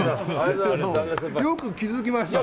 よく気づきましたね。